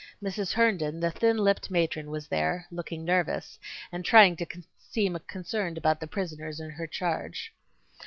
Mrs. Herndon, the thin lipped matron, was there, looking nervous and trying to seem concerned about the prisoners in her charge.